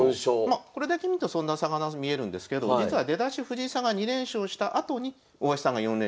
これだけ見るとそんな差がなく見えるんですけど実は出だし藤井さんが２連勝したあとに大橋さんが４連勝してんですよ。